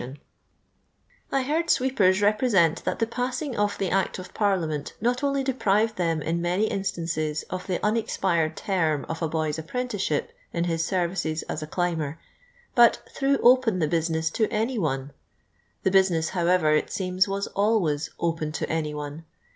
357 I heard streepen represent that the passing of the Act of Parliament not only deprived them in many instances of the unexpired term of a boy's apprenticeship in his services as a climber, but " thretv open the business to any one." The business, however, it seems, was always " open to any one."